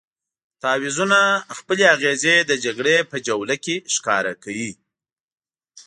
تعویضونه خپلې اغېزې د جګړې په جوله کې ښکاره کوي.